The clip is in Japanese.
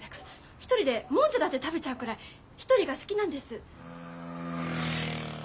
一人でもんじゃだって食べちゃうくらい一人が好きなんです。